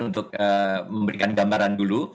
untuk memberikan gambaran dulu